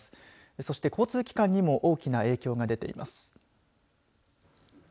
そして交通機関にも大きな影響が出ています。